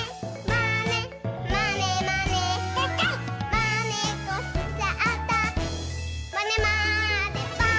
「まねっこしちゃったまねまねぽん！」